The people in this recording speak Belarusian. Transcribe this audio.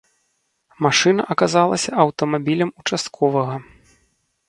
Машына аказалася аўтамабілем участковага.